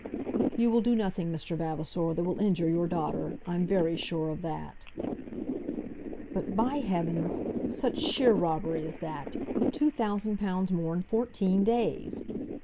"You will do nothing, Mr. Vavasor, that will injure your daughter. I'm very sure of that." "But, by heavens . Such sheer robbery as that! Two thousand pounds more in fourteen days!"